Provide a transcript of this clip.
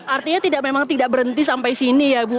artinya memang tidak berhenti sampai sini ya bu